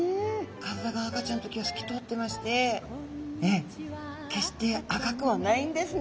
体が赤ちゃんの時はすき通ってまして決して赤くはないんですね